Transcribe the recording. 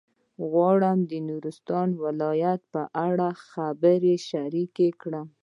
غواړم د نورستان ولایت په اړه خبرې شریکې کړم.